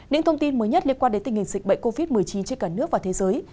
những thông tin mới nhất liên quan đến tình hình dịch bệnh covid một mươi chín trên cả nước và thế giới